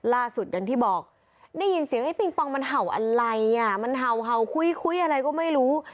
อย่างที่บอกได้ยินเสียงไอ้ปิงปองมันเห่าอะไรอ่ะมันเห่าคุยคุยอะไรก็ไม่รู้